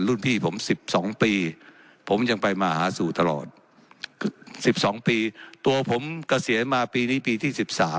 รุ่นพี่ผม๑๒ปีผมยังไปมาหาสู่ตลอด๑๒ปีตัวผมเกษียณมาปีนี้ปีที่๑๓